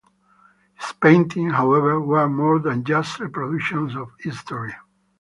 His paintings, however, were more than just reproductions of history.